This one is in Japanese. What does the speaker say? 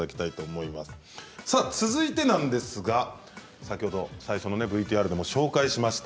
続いてなんですが先ほど最初のＶＴＲでも紹介しました